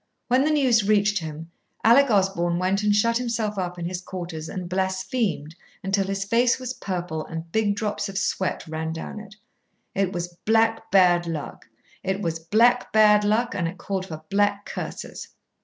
When the news reached him, Alec Osborn went and shut himself up in his quarters and blasphemed until his face was purple and big drops of sweat ran down it. It was black bad luck it was black bad luck, and it called for black curses.